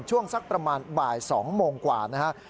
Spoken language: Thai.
ช่วงสักประมาณบ่าย๒โมงกว่านะครับ